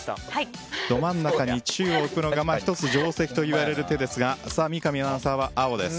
ど真ん中に中を置くのが１つ定石といわれる手ですが三上アナウンサーは青です。